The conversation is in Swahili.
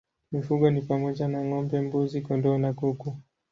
Mifugo ni pamoja na ng'ombe, mbuzi, kondoo na kuku.